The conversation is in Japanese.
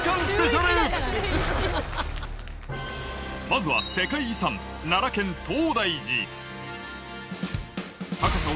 まずは世界遺産奈良県高さ